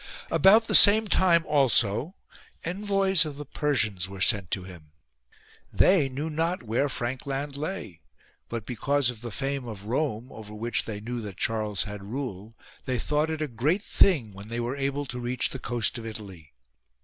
8. About the same time also envoys of the Persians were sent to him. They knew not where Frank land lay ; but because of the fame of Rome, over which they knew that Charles had rule, they thought it a great thing when they were able to reach the coast of Italy.